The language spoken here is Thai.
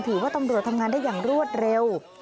ถือว่าตำรวจทำงานได้อย่างรวดเร็ว